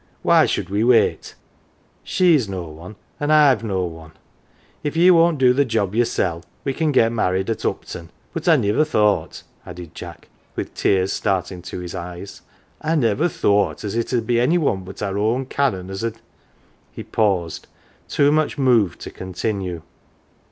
Why should we wait ? She's no one, an' I've no one ? If ye won't do the job yoursel' we can get married at Upton. But I niver thought," added Jack, with tears starting to his eyes " I niver thought as it 'ud be any one but our own Canon as 'ud He paused, too much moved to continue.